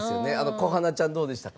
小花ちゃんどうでしたか？